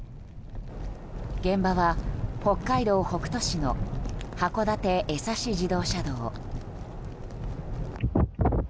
現場は北海道北斗市の函館江差自動車道。